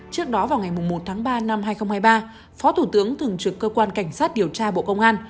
trước đó vào ngày một tháng ba năm hai nghìn hai mươi ba phó thủ tướng thường trực cơ quan cảnh sát điều tra bộ công an